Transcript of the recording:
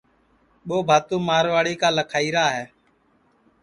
ٻو بھاتو مارواڑی کا لکھائیرا ہے